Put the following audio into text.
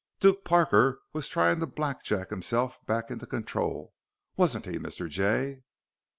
"Duke Parker was trying to blackjack himself back into control, wasn't he, Mr. Jay?